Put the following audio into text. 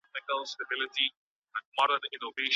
په لاس خط لیکل د محرمیت د ساتلو ضمانت کوي.